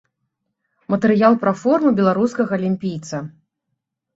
Матэрыял пра форму беларускага алімпійца.